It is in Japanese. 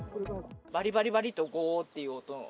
ばりばりばりと、ごーっていう音。